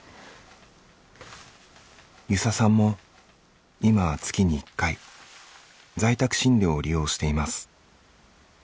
遊佐さんも今は月に１回在宅診療を利用しています。